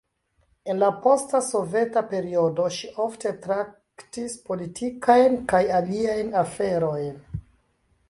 En la posta soveta periodo ŝi ofte traktis politikajn kaj aliajn aferojn.